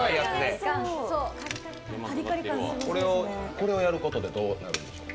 これをやることでどうなるんですか？